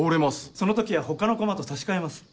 その時は他のコマと差し替えます。